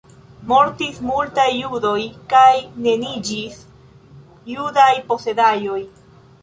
Mortis multaj judoj kaj neniiĝis judaj posedaĵoj.